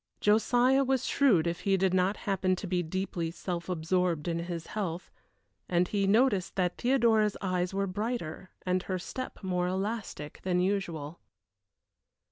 Josiah was shrewd if he did happen to be deeply self absorbed in his health, and he noticed that Theodora's eyes were brighter and her step more elastic than usual.